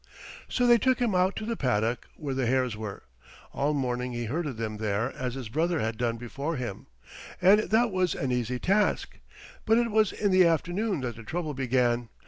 So they took him out to the paddock where the hares were. All morning he herded them there as his brother had done before him, and that was an easy task. But it was in the afternoon that the trouble began.